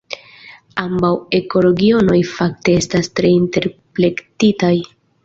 Ambaŭ ekoregionoj fakte estas tre interplektitaj.